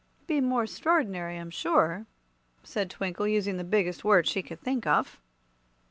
"I'd be more 'strord'nary, I'm sure," said Twinkle, using the biggest word she could think of.